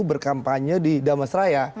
berkampanye di damasraya